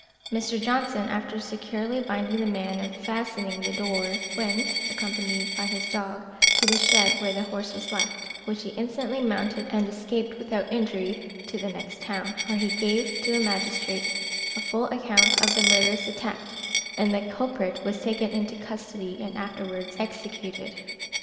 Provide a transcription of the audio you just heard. Mr. Johnson, after securely binding the man and fastening the door, went (accompanied by his dog) to the shed where his horse was left, which he instantly mounted, and escaped without injury to the next town, where he gave to a magistrate a full account of the murderous attempt, and the culprit was taken into custody and afterwards executed.